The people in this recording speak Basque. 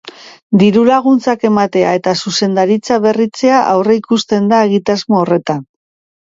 Diru-laguntzak ematea eta zuzendaritza berritzea aurreikusten da egitasmo horretan.